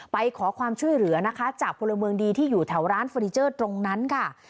ไปขอความช่วยเหลือนะคะจากพลเมืองดีที่อยู่แถวร้านเฟอร์นิเจอร์ตรงนั้นค่ะ